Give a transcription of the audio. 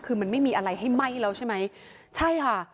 คือมันไม่มีอะไรให้ไหม้แล้วใช่ไหมใช่ค่ะ